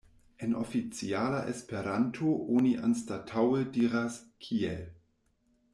En oficiala Esperanto oni anstataŭe diras "kiel".